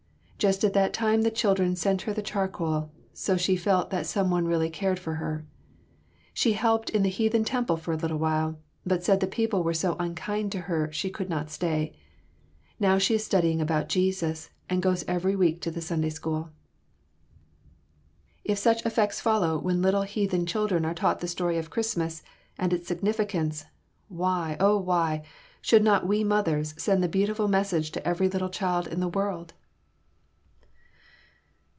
Just at that time the children sent her the charcoal, so she felt that some one really cared for her. She helped in the heathen temple for a little while, but said the people were so unkind to her she could not stay. Now she is studying about Jesus, and goes every week to the Sunday School." If such effects follow when little heathen children are taught the story of Christmas and its significance, why, oh why, should not we mothers send the beautiful message to every little child in the world?